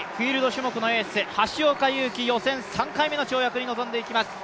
種目のエース、橋岡優輝予選３回目の跳躍に臨んでいきます